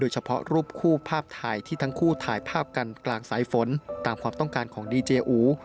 เฉพาะรูปคู่ภาพถ่ายที่ทั้งคู่ถ่ายภาพกันกลางสายฝนตามความต้องการของดีเจอู